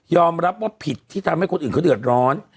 รับว่าผิดที่ทำให้คนอื่นเขาเดือดร้อน